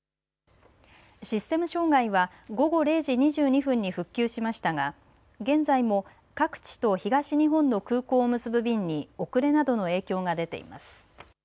システム障害は午後０時２２分に復旧しましたが現在も各地と東日本の空港を結ぶ便に遅れなどの影響が出ています。